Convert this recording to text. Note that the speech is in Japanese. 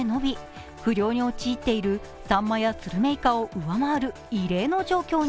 不漁に陥っているさんまやスルメイカを上回る異例の状況に。